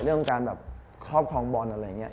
เรื่องการแบบครอบครองบอลอะไรอย่างนี้